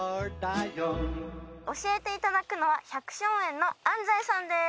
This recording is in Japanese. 教えていただくのは百笑園の安西さんです。